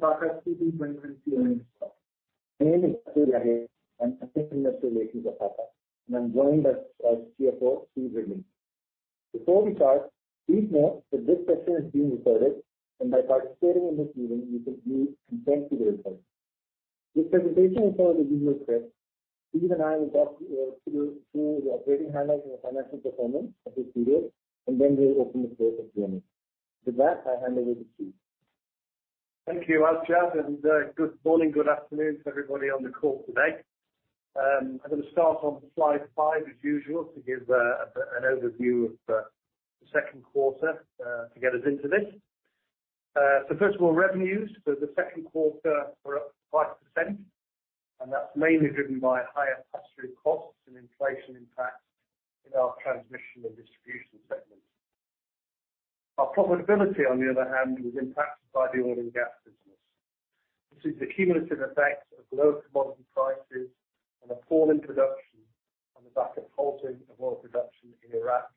Hello, everyone. Welcome to TAQA's [inaudible] Q3 2022 earnings call. My name is Asjad Yahya, I'm [inaudible] Assistant Director Relations of TAQA. I'm joined by our CFO, Steve Ridlington. Before we start, please note that this session is being recorded. By participating in this meeting, you could give consent to the recording. This presentation will follow the usual script. Steve and I will walk you through the operating highlights and the financial performance of this period. Then we'll open the floor for Q&A. With that, I hand over to Steve. Thank you, Asjad, good morning, good afternoon to everybody on the call today. I'm going to start on slide five as usual, to give an overview of the second quarter, to get us into this. First of all, revenues for the second quarter were up 5%, and that's mainly driven by higher pass-through costs and inflation impacts in our Transmission and Distribution segments. Our profitability, on the other hand, was impacted by the oil and gas business. This is the cumulative effect of lower commodity prices and a fall in production on the back of halting of oil production in Iraq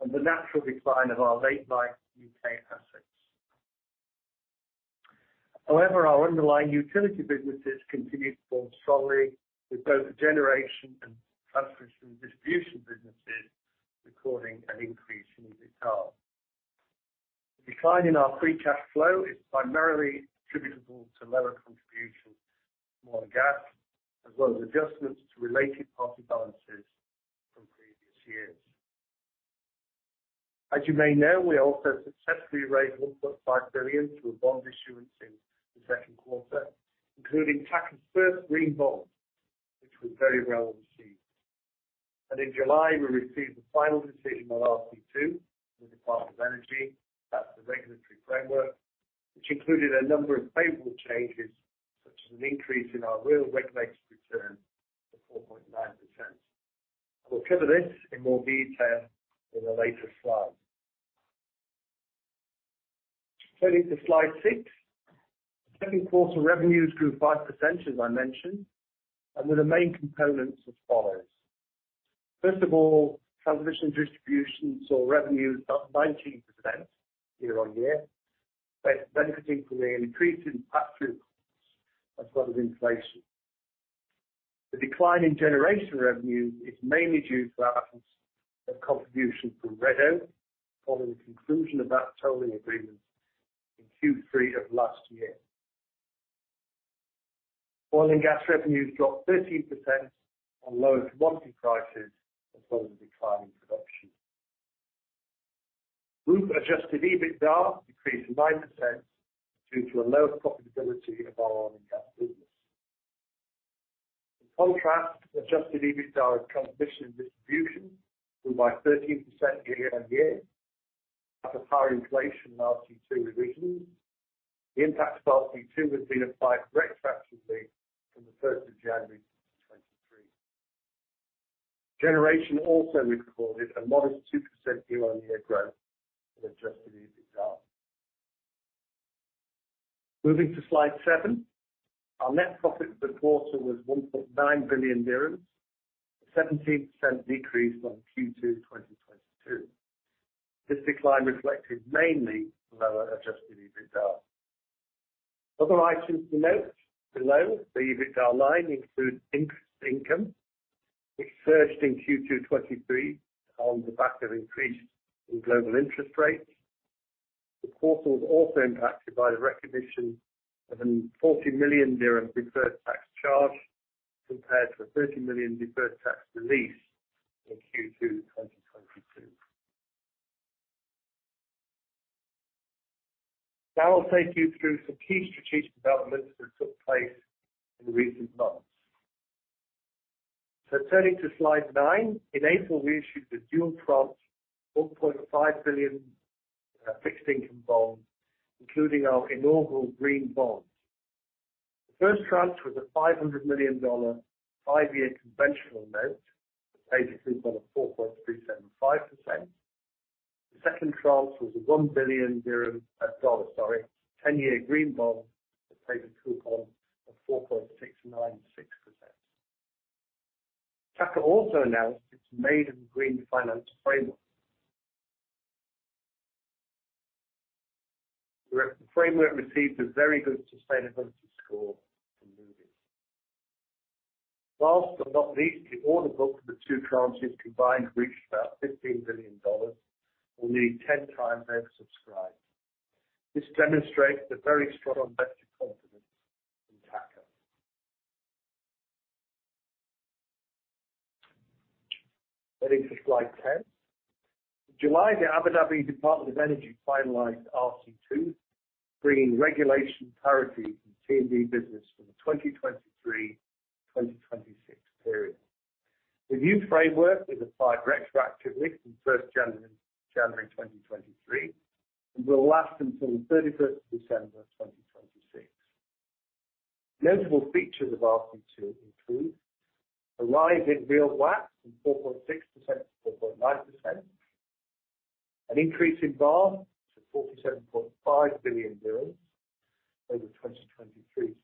and the natural decline of our late life U.K. assets. However, our underlying utility businesses continued to perform strongly, with both generation and transmission distribution businesses recording an increase in EBITDA. The decline in our free cash flow is primarily attributable to lower contribution from oil and gas, as well as adjustments to related party balances from previous years. As you may know, we also successfully raised 1.5 billion through a bond issuance in the second quarter, including TAQA's first green bond, which was very well received. In July, we received the final decision on RC2 from the Department of Energy. That's the regulatory framework, which included a number of favorable changes, such as an increase in our real regulated return to 4.9%. We'll cover this in more detail in a later slide. Turning to slide six. Second quarter revenues grew 5%, as I mentioned, and with the main components as follows: First of all, Transmission and Distribution saw revenues up 19% year-on-year, benefiting from an increase in pass-through costs as well as inflation. The decline in generation revenue is mainly due to absence of contribution from Red Oak, following the conclusion of that tolling agreement in Q3 of last year. Oil and gas revenues dropped 13% on lower commodity prices, as well as a decline in production. Group adjusted EBITDA decreased 9% due to a lower profitability of our oil and gas business. In contrast, adjusted EBITDA of Transmission and Distribution grew by 13% year-on-year after higher inflation than RC2 revisions. The impact of RC2 has been applied retroactively from the 1st of January 2023. Generation also recorded a modest 2% year-on-year growth in adjusted EBITDA. Moving to slide seven. Our net profit for the quarter was 1.9 billion dirhams, a 17% decrease from Q2 2022. This decline reflected mainly lower adjusted EBITDA. Other items to note below the EBITDA line include interest income, which surged in Q2 2023 on the back of increase in global interest rates. The quarter was also impacted by the recognition of a 40 million dirham deferred tax charge, compared to a 30 million deferred tax release in Q2 2022. Now I'll take you through some key strategic developments that took place in the recent months. Turning to slide nine. In April, we issued a dual tranche $1.5 billion fixed income bond, including our inaugural green bond. The first tranche was a $500 million, five-year conventional note with a coupon of 4.375%. The second tranche was a $1 billion, sorry, 10-year green bond with a coupon of 4.696%. TAQA also announced its maiden Green Finance Framework. The framework received a very good sustainability score from Moody's. Last but not least, the order book for the two tranches combined reached about $15 billion, only 10x oversubscribed. This demonstrates the very strong investor confidence in TAQA. Heading to slide 10. In July, the Abu Dhabi Department of Energy finalized RC2, bringing regulation parity in T&D business for the 2023-2026 period. The new framework is applied retroactively from January 1, 2023, and will last until December 31, 2026. Notable features of RC2 include a rise in real WACC from 4.6% to 4.9%, an increase in MAR to AED 47.5 billion over 2023-2026.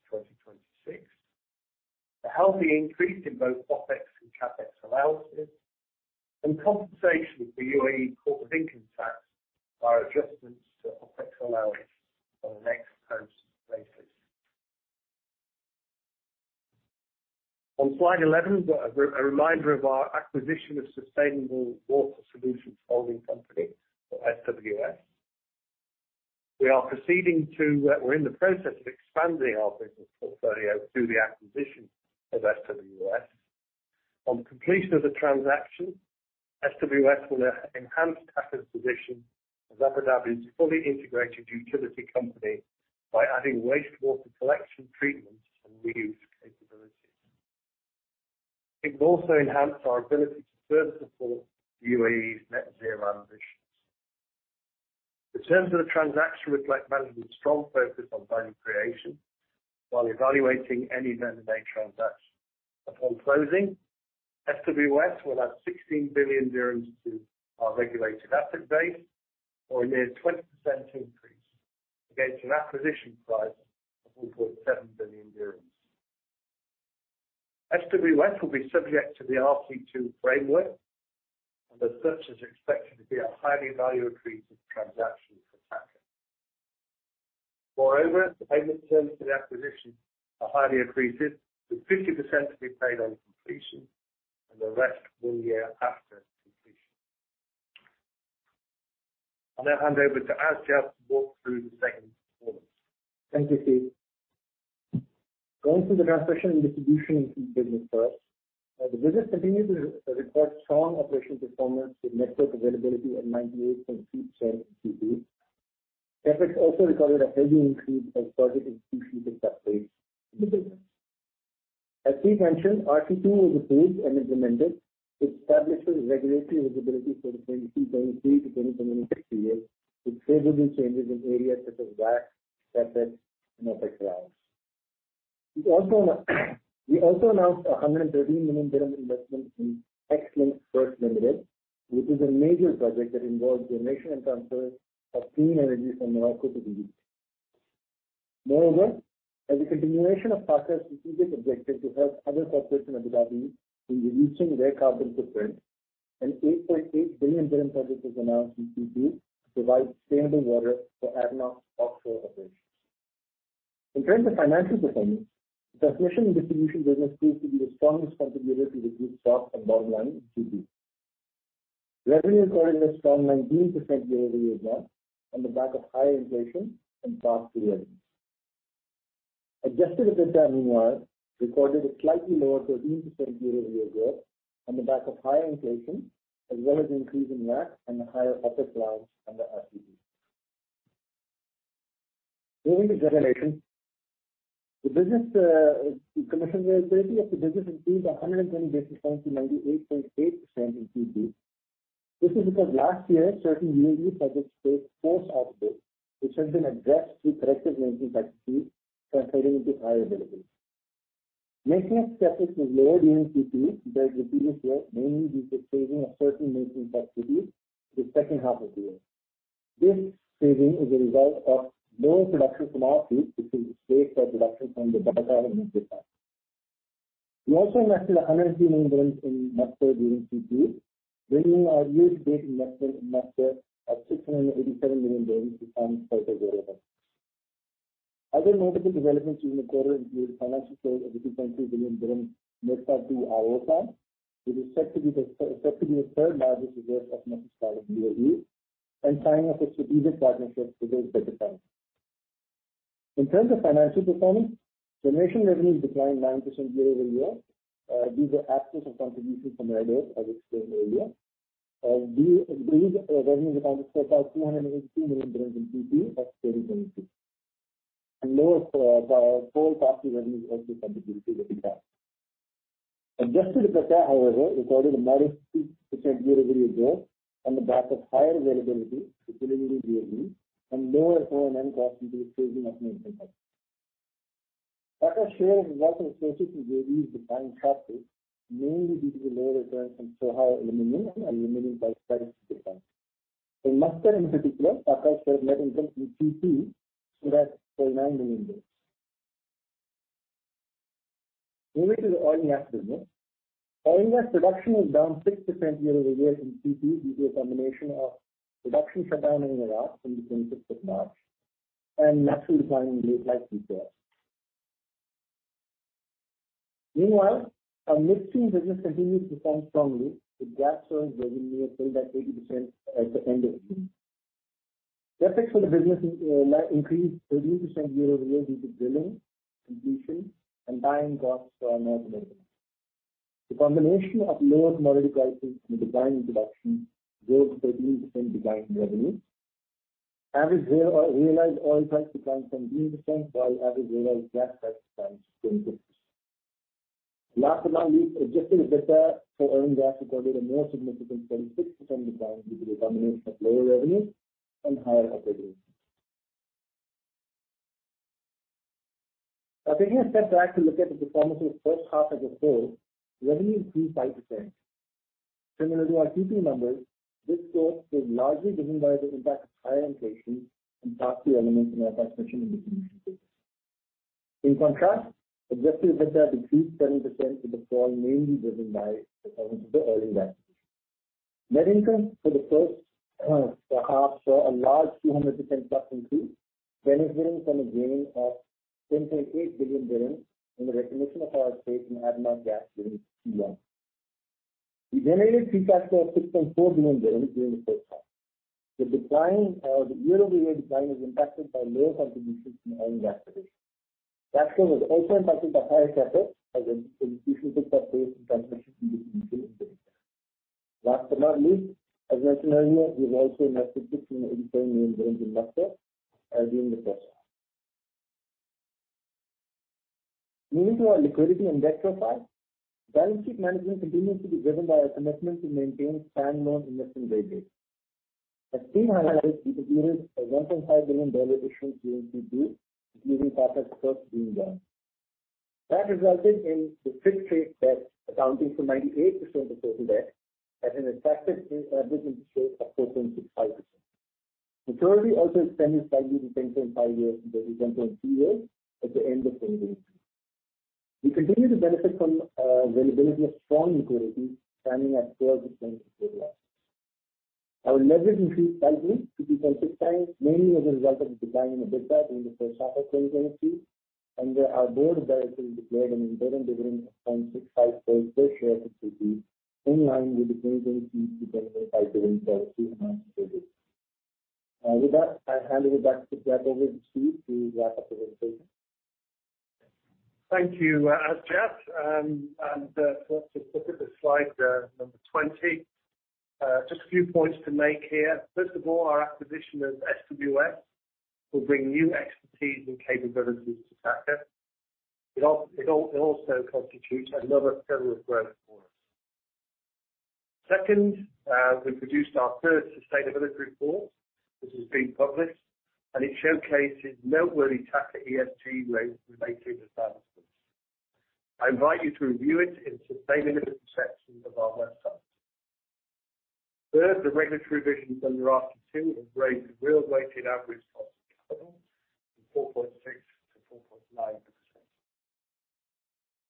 A healthy increase in both OpEx and CapEx allowances, and compensation for UAE Corporate Tax are adjustments to OpEx allowance on an ex-post basis. On slide 11, we've got a reminder of our acquisition of Sustainable Water Solutions Holding Company or SWS. We are proceeding to, we're in the process of expanding our business portfolio through the acquisition of SWS. On completion of the transaction, SWS will enhance TAQA's position as Abu Dhabi's fully integrated utility company by adding wastewater collection, treatment, and reuse capabilities. It will also enhance our ability to further support UAE's net zero ambitions. The terms of the transaction reflect management's strong focus on value creation while evaluating any M&A transaction. Upon closing, SWS will add 16 billion dirhams to our regulated asset base, or a near 20% increase, against an acquisition price of 4.7 billion dirhams. SWS will be subject to the RC2 framework, and as such, is expected to be a highly value-accretive transaction for TAQA. Moreover, the payment terms for the acquisition are highly accretive, with 50% to be paid on completion and the rest one year after completion. I'll now hand over to Asjad to walk through the second performance. Thank you, Steve. Going through the Transmission and Distribution business first. The business continued to record strong operational performance with network availability at 98.7 Q2. CapEx also recorded a healthy increase as project execution picked up pace in the business. As Steve mentioned, RC2 was approved and implemented, which establishes regulatory visibility for the 2023 to 2026 years, with favorable changes in areas such as WACC, CapEx, and OpEx allowance. We also announced AED 113 million investment in Xlinks First Limited, which is a major project that involves generation and transfer of clean energy from Morocco to the UAE. Moreover, as a continuation of TAQA's strategic objective to help other corporates in Abu Dhabi in reducing their carbon footprint, an 8.8 billion project was announced in Q2 to provide sustainable water for ADNOC's offshore operations. In terms of financial performance, the Transmission and Distribution business proved to be the strongest contributor to the group's top and bottom line in Q2. Revenue recorded a strong 19% year-over-year growth on the back of higher inflation and cross revenue. Adjusted EBITDA, meanwhile, recorded a slightly lower 13% year-over-year growth on the back of higher inflation, as well as an increase in WACC and the higher OpEx allowance under RTP. Moving to generation. The business, commission reliability of the business increased by 120 basis points to 98.8% in Q2. This is because last year, certain UAE projects faced forced outages, which have been addressed through corrective maintenance activities, translating into higher availability. Maintenance CapEx was lower during Q2 than the previous year, mainly due to phasing of certain maintenance activities to the second half of the year. This saving is a result of lower production from our fleet, which was displaced by production from the Barakah nuclear plant. We also invested 103 million in Masdar during Q2, bringing our year-to-date investment in Masdar at AED 687 million to become further available. Other notable developments during the quarter include financial close of the 2.3 billion dirhams [inaudible] Mustaqil, which is set to be the third-largest reserve of reverse osmosis in UAE, and signing of a strategic partnership with the bank. In terms of financial performance, generation revenues declined 9% year-over-year. These are absence of contribution from ADNOC, as explained earlier. These revenue accounted for AED 282 million in Q2 of 2022, and lower, whole cost of revenue contribution to the gap. Adjusted EBITDA, however, recorded a modest 6% year-over-year growth on the back of higher availability, particularly in the UAE, and lower O&M costs due to the phasing of maintenance. TAQA's share of investment [inaudible] associated with UAE declined sharply, mainly due to lower returns from Sohar Aluminium and limited by strategic plans. In Masdar, in particular, TAQA's share of net income in Q2 was AED 49 million. Moving to the oil and gas business. Oil and gas production was down 6% year-over-year in Q2, due to a combination of production shutdown in Iraq from the 26th of March and natural decline in late life fields. Meanwhile, our midstream business continues to perform strongly, with gas oil revenue filling by 80% at the end of Q2. CapEx for the business increased 30% year-over-year due to drilling, completion, and tying costs for more developments. The combination of lower commodity prices and decline in production drove a 13% decline in revenue. Average realized oil price declined 16%, while average realized gas price declined 20%. Last but not least, adjusted EBITDA for oil and gas recorded a more significant 26% decline due to a combination of lower revenue and higher operating costs. Now, taking a step back to look at the performance of the first half of the year, revenue increased 5%. Similar to our Q2 numbers, this growth was largely driven by the impact of higher inflation and tax elements in our Transmission and Distribution businesses. In contrast, adjusted EBITDA decreased 10% with the fall mainly driven by the earnings of the O&G business. Net income for the first half saw a large 200%+ increase, benefiting from a gain of 10.8 billion in the recognition of our stake in ADNOC Gas during Q1. We generated free cash flow of 6.4 billion during the first half. The decline, or the year-over-year decline is impacted by lower contributions from O&G acquisition. Cash flow was also impacted by higher CapEx as investments took place in Transmission and Distribution in the United Arab. Last but not least, as mentioned earlier, we also invested AED 16.8 billion in Mustaqil during the first half. Moving to our liquidity and debt profile. Balance sheet management continues to be driven by our commitment to maintain strong loan investment-grade base. As seen on this, we completed a AED 1.5 billion issue during Q2, including TAQA's first green bond. That resulted in the fixed rate debt accounting for 98% of total debt at an effective average interest rate of 4.65%. Maturity also extended slightly to 10.5 years from 10.2 years at the end of 2022. We continue to benefit from the availability of strong liquidity, standing at $12.6 billion. Our leverage increased slightly to 2.6 times, mainly as a result of the decline in EBITDA during the first half of 2022, and our board of directors declared an interim dividend of $0.65 per share for Q2, in line with the 2022 dividend payout policy announced earlier. With that, I hand it back to Asjad over to you to wrap up the presentation. Thank you, Asjad Yahya. Let's just look at the slide number 20. Just a few points to make here. First of all, our acquisition of SWS will bring new expertise and capabilities to TAQA. It also constitutes another pillar of growth for us. Second, we produced our first sustainability report, which has been published, and it showcases noteworthy TAQA ESG-related advancements. I invite you to review it in the sustainability section of our website. Third, the regulatory revisions under RC2 have raised the real weighted average cost of capital from 4.6% to 4.9%.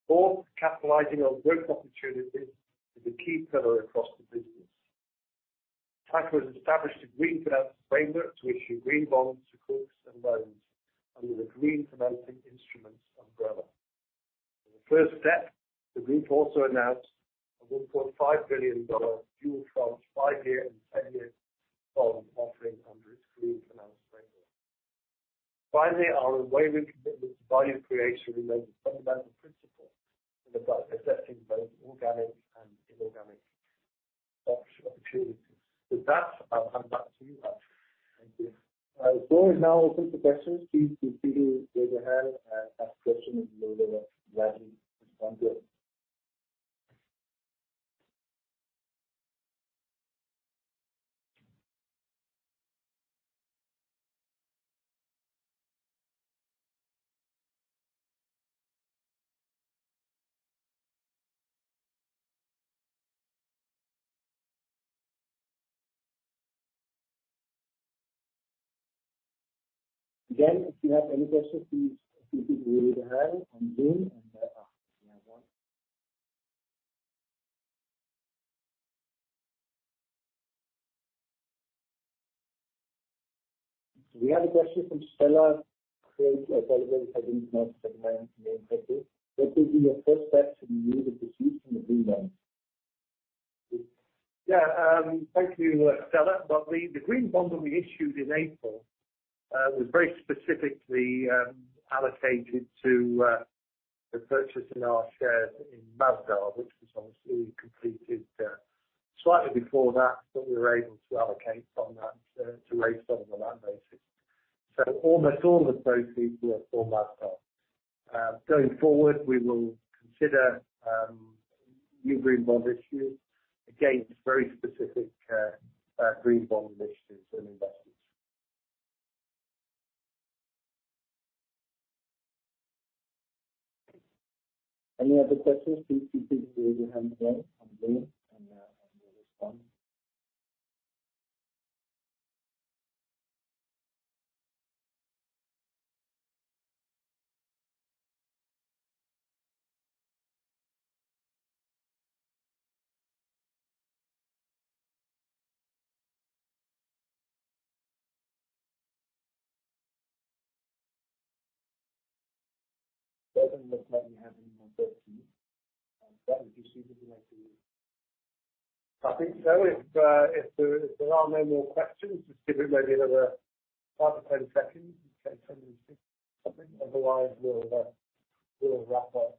Fourth, capitalizing on growth opportunities is a key pillar across the business. TAQA has established a Green Finance Framework to issue green bonds, recourse and loans under the Green Finance Framework umbrella. In the first step, the group also announced a $1.5 billion dual tranche five-year and 10-year bond offering under its Green Finance Framework. Finally, our unwavering commitment to value creation remains a fundamental principle in assessing both organic and inorganic growth opportunities. With that, I'll hand back to you, Asjad. Thank you. The floor is now open to questions. Please feel free to raise your hand and ask questions, and we will gladly respond to it. Again, if you have any questions, please feel free to raise your hand on Zoom, and we have one. We have a question from Stella, [inaudible] create a delivery for the [inaudible] international secondary name. What will be your first step to the use of the issues from the green bond? Yeah, thank you, Stella. Well, the green bond that we issued in April was very specifically allocated to the purchase in our shares in Masdar, which was obviously completed slightly before that, but we were able to allocate some of that to raise some of on that basis. Almost all of those fees were for Masdar. Going forward, we will consider new green bond issues against very specific green bond initiatives and investments. Any other questions, please feel free to raise your hand again on Zoom, and we'll respond. Doesn't look like we have any more questions. Asjad, would you like to- I think so. If, if there, if there are no more questions, just give it maybe another 5 to 10 seconds, in case something, otherwise, we'll, we'll wrap up.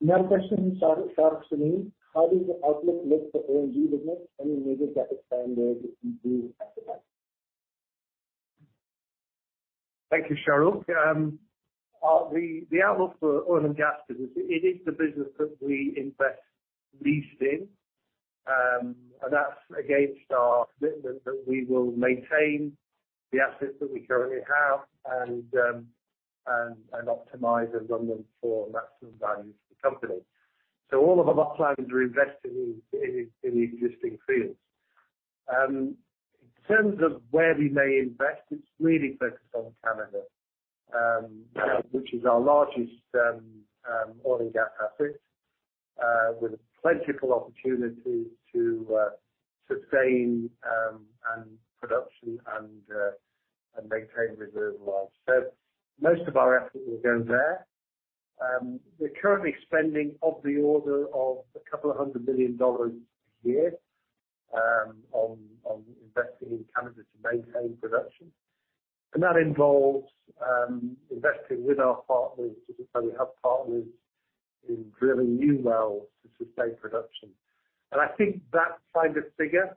Another question from [inaudible] Sharuk Suneet. How does the outlook look for O&G business? Any major CapEx planned there with the O&G at the back? Thank you, Sharuk. The outlook for Oil & Gas business, it is the business that we invest least in. And that's against our commitment that we will maintain the assets that we currently have and optimize and run them for maximum value to the company. All of our plans are invested in the existing fields. In terms of where we may invest, it's really focused on Canada, which is our largest oil and gas asset, with plentiful opportunities to sustain and production and maintain reserve life. Most of our effort will go there. We're currently spending of the order of $200 million a year on investing in Canada to maintain production. That involves investing with our partners, because we have partners in drilling new wells to sustain production. I think that kind of figure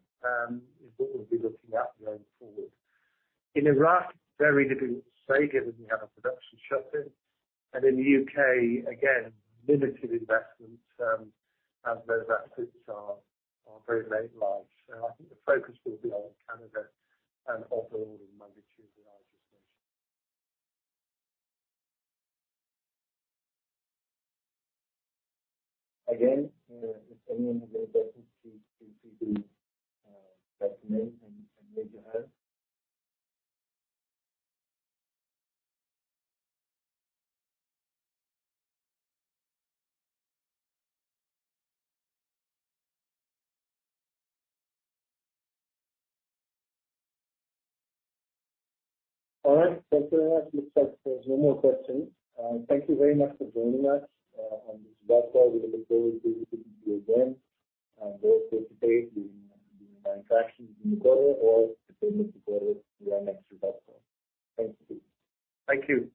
is what we'll be looking at going forward. In Iraq, very little to say, given we have a production shutdown. In the U.K., again, limited investments, as those assets are, are very, very large. I think the focus will be on Canada and of the order of magnitude that I just mentioned. Again, if anyone has any questions, please feel free to let me know, and I can get you help. All right. Thank you very much. It looks like there's no more questions. Thank you very much for joining us on this webcast. We look forward to speaking to you again, and we also anticipate doing, doing our interactions in the quarter or depending on the quarter, our next webcast. Thank you. Thank you.